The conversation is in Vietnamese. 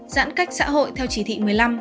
giãn cách xã hội theo chỉ thị một mươi năm